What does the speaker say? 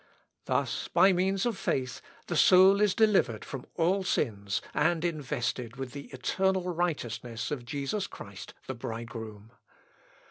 Thus, by means of faith, the soul is delivered from all sins, and invested with the eternal righteousness of Jesus Christ the bridegroom.